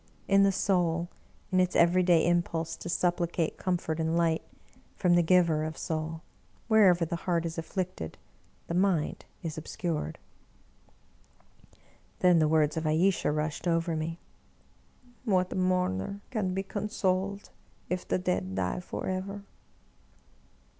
In the soul; in its every day impulse to supplicate com I02 Btdwer Lytton fort and light, from the Giver of soul, wherever the heart is afflicted, the mind is obscured. Then the words of Ayesha rushed over me: "What mourner can be consoled, if the dead die forever?''